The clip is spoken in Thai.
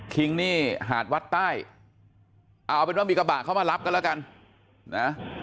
คิงนี่หาดวัดใต้เอาเป็นว่ามีกระบะเข้ามารับกันแล้วกันนะ